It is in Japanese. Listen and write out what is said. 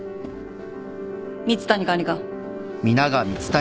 蜜谷管理官。